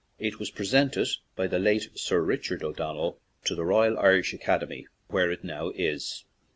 It was presented by the late Sir Richard O'Donnell to the Royal Irish Academy, where it now is.